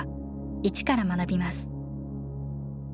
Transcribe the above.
一から学びます。